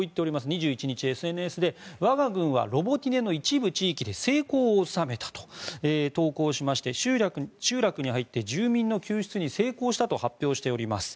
２１日、ＳＮＳで我が軍はロボティネの一部地域で成功を収めたと投稿して集落に入って住民の救出に成功したと発表しております。